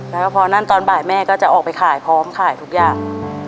แล้วก็พอนั่นตอนบ่ายแม่ก็จะออกไปขายพร้อมขายทุกอย่าง